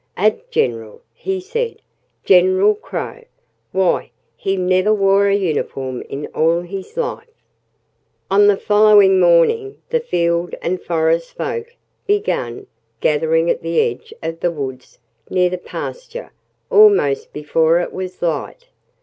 "A general!" he said. "General Crow! Why he never wore a uniform in all his life!" On the following morning the field and forest folk began gathering at the edge of the woods near the pasture almost before it was light.